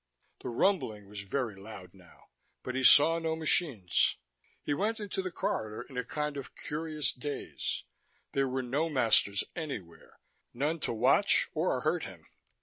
The rumbling was very loud now, but he saw no machines. He went into the corridor in a kind of curious daze: there were no masters anywhere, none to watch or hurt him.